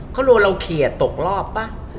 เขาโดนเราเขียดตกรอบป่ะ